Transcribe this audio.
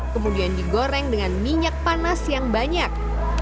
kemudian digoreng dengan minyak panas yang banyak